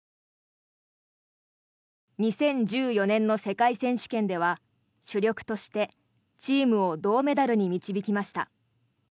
２０１４年の世界選手権では主力としてチームを銅メダルに導きました。